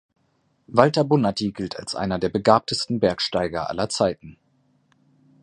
Walter Bonatti gilt als einer der begabtesten Bergsteiger aller Zeiten.